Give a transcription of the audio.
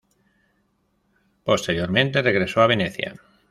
Posteriormente regresó a Venecia.